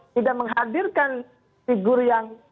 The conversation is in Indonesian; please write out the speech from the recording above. tidak menghadirkan figur yang